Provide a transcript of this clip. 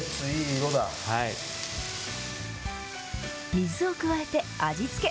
水を加えて味付け。